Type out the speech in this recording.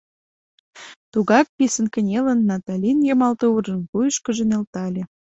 Тугак писын кынелын, Наталин йымал тувыржым вуйышкыжо нӧлтале.